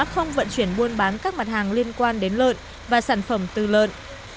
không vận chuyển buôn bán các mặt hàng liên quan đến lợn và sản phẩm tư lợn